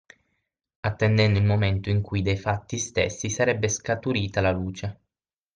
Attendendo il momento in cui dai fatti stessi sarebbe scaturita la luce.